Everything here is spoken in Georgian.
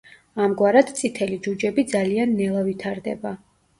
ამგვარად, წითელი ჯუჯები ძალიან ნელა ვითარდება.